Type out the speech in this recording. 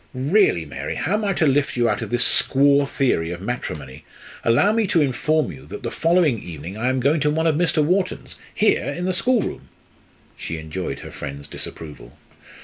"Really, Mary! How am I to lift you out of this squaw theory of matrimony? Allow me to inform you that the following evening I am going to one of Mr. Wharton's here in the schoolroom!" She enjoyed her friend's disapproval.